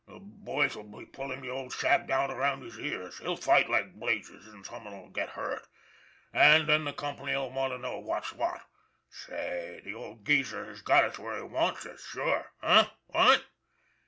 The boys'll be pulling the old shack down around his ears. He'll fight like blazes, and some one'll get hurt. And then the com pany '11 want to know what's what. Say, the old geeser has got us where he wants us, sure eh, what?"